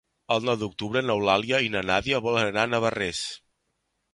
El nou d'octubre n'Eulàlia i na Nàdia voldrien anar a Navarrés.